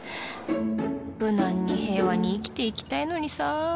無難に平和に生きて行きたいのにさ。